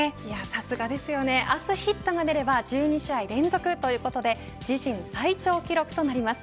さすがですよね、明日ヒットが出れば１２試合連続ということで自身最長記録となります。